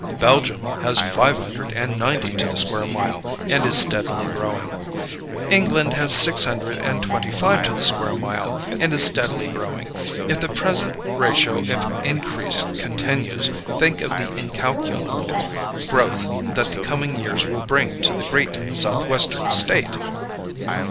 Belgium has five hundred and ninety to the square mile, and is steadily growing. England has six hundred and twenty five to the square mile, and is steadily growing. If the present ratio of increase continues, think of the incalculable growth that the coming years will bring to the great Southwestern State!